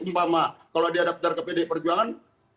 umpama kalau dia daftar ke pdi perjuangan